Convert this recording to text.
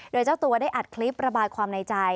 โดยเจ้าตัวได้อัดคลิประบายความในใจ